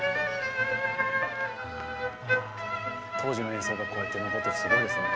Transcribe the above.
当時の演奏がこうやって残ってるのすごいですよね。